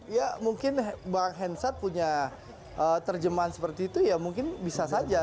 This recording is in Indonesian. ya mungkin bang hensat punya terjemahan seperti itu ya mungkin bisa saja